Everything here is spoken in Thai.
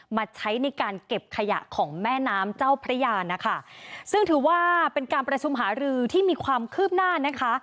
มาใช้ในการเก็บขยะของแม่น้ำเจ้าพระยานะคะซึ่งถือว่าเป็นการประชุมหารือที่มีความคืบหน้านะคะ